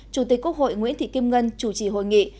chủ tịch quốc hội nguyễn thị kim ngân chủ trì hội nghị